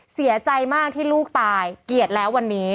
เสียใจมากที่ลูกตายเกียรติแล้ววันนี้